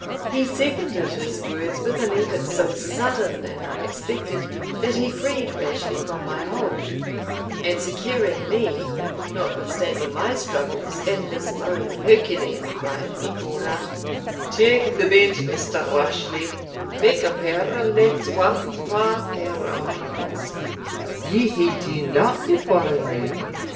He seconded his words with an effort so sudden and unexpected, that he freed Rashleigh from my hold, and securing me, notwithstanding my struggles, in his own Herculean gripe, he called out "Take the bent, Mr. Rashleigh Make ae pair o' legs worth twa pair o' hands; ye hae dune that before now."